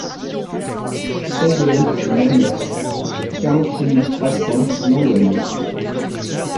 seize route du Mas Neuf, quarante-huit mille trois cents Langogne